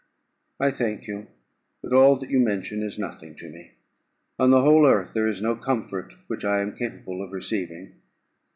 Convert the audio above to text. "I thank you; but all that you mention is nothing to me: on the whole earth there is no comfort which I am capable of receiving."